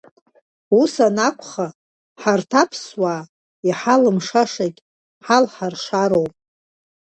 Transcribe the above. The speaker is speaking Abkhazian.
Ус анакәха, ҳарҭ аԥсуаа иҳалымшашагь ҳалҳаршароуп.